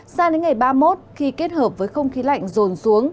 sang đến ngày ba mươi một khi kết hợp với không khí lạnh rồn xuống